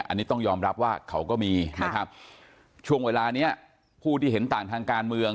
อันนี้ต้องยอมรับว่าเขาก็มีนะครับช่วงเวลานี้ผู้ที่เห็นต่างทางการเมือง